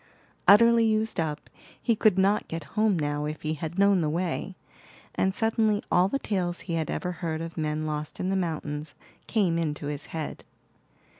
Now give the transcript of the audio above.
Utterly used up, he could not get home now if he had known the way; and suddenly all the tales he had ever heard of men lost in the mountains came into his head.